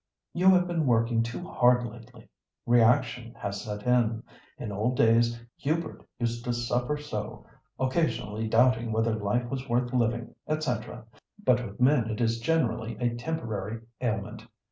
"You have been working too hard lately. Reaction has set in. In old days Hubert used to suffer so, occasionally doubting whether life was worth living, &c. But with men it is generally a temporary ailment.